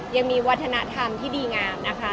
ยังมีวัฒนธรรมที่ดีงามนะคะ